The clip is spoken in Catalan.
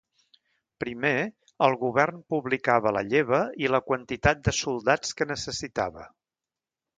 Primer, el Govern publicava la lleva i la quantitat de soldats que necessitava.